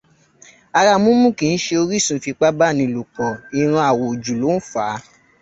Ara múmú kìí ṣe oríṣun ìfipábánilòpọ̀, ìran àwòjù ló ń fà á.